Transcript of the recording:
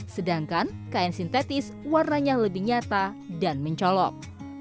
sedangkan kain sintetis warnanya lebih nyata dan mencolok